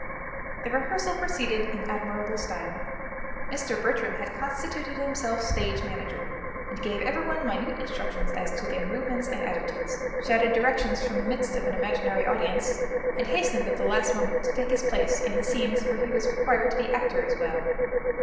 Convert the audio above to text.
The rehearsal proceeded in admirable style. Mr. Bertram had constituted himself stage manager, and gave everyone minute instructions as to their movements and attitudes, shouted directions from the midst of an imaginary audience, and hastened at the last moment to take his place in the scenes where he was required to be actor as well.